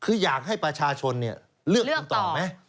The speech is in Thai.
คืออยากให้ประชาชนเลือกคุณต่อไหม